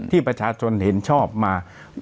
ที่ประชาชนเห็นชอบมา